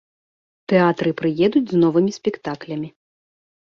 Тэатры прыедуць з новымі спектаклямі.